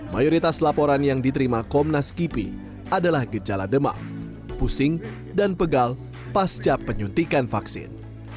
mayoritas laporan yang diterima komnas kipi adalah gejala demam pusing dan pegal pasca penyuntikan vaksin